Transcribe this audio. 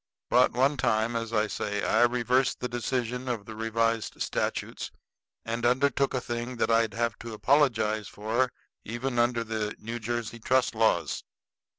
But, one time, as I say, I reversed the decision of the revised statutes and undertook a thing that I'd have to apologize for even under the New Jersey trust laws.